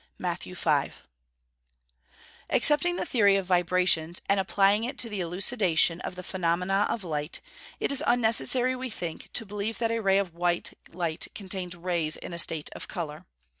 MATT. V.] Accepting the theory of vibrations, and applying it to the elucidation of the phenomena of light it is unnecessary, we think, to believe that a ray of white light contains rays in a state of colour.